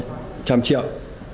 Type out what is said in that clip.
là ba trăm linh triệu